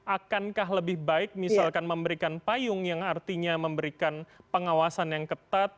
akankah lebih baik misalkan memberikan payung yang artinya memberikan pengawasan yang ketat